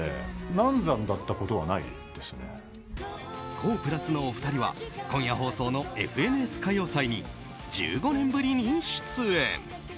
ＫＯＨ＋のお二人は今夜放送の「ＦＮＳ歌謡祭」に１５年ぶりに出演。